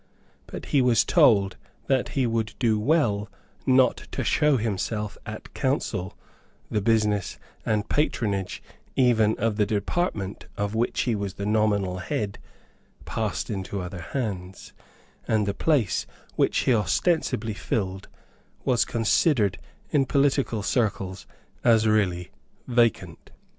But he was told that he would do well not to show himself at Council; the business and the patronage even of the department of which he was the nominal head passed into other hands; and the place which he ostensibly filled was considered in political circles as really vacant.